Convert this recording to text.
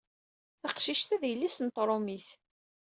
Taqcict-a d yelli-s n tṛumit.